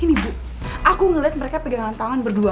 ini bu aku ngelihat mereka pegangan tangan berdua